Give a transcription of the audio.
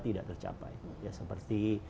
tidak tercapai ya seperti